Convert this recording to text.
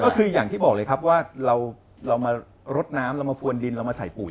ก็คืออย่างที่บอกเลยครับว่าเรามารดน้ำเรามาพวนดินเรามาใส่ปุ๋ย